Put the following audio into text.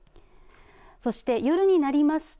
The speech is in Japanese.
そして、夜になりますと